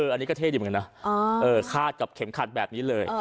อันนี้ก็เท่อยู่เหมือนกันนะคาดกับเข็มขัดแบบนี้เลย